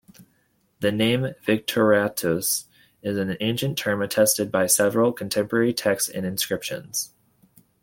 The name "victoriatus" is an ancient term, attested by several contemporary texts and inscriptions.